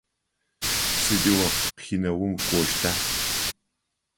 Сыдигъо кинэум укӏощта?